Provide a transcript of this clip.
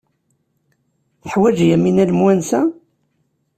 Teḥwaj Yamina lemwansa?